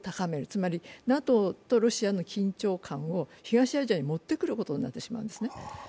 つまり、ＮＡＴＯとロシアの緊張感を東アジアに持ってくることになってしまうんですね。